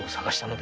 で